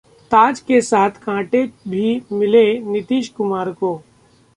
ताज के साथ कांटे भी मिले नीतीश कुमार को